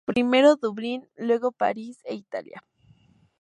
Primero Dublín, luego París e Italia.